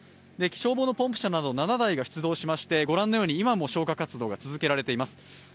消防のポンプ車など７台が出動しまして、御覧のように今も消火活動が続けられています。